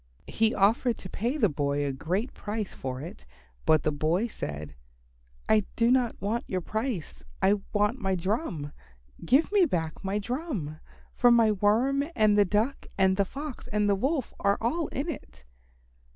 He offered to pay the boy a great price for it, but the boy said, "I do not want your price. I want my drum. Give me back my drum, for my Worm and the Duck and the Fox and the Wolf are all in it."